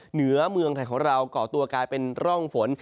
เหนือเมืองไทยของเราก่อตัวกลายเป็นร่องฝน